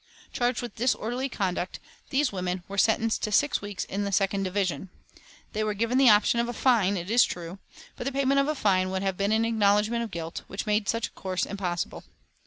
Charged with disorderly conduct, these women were sentenced to six weeks in the Second Division. They were given the option of a fine, it is true, but the payment of a fine would have been an acknowledgment of guilt, which made such a course impossible.